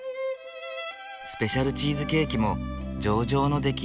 スペシャルチーズケーキも上々の出来。